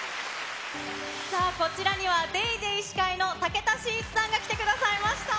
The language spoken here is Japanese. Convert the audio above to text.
さあ、こちらにはＤａｙＤａｙ．司会の武田真一さんが来てくださいまし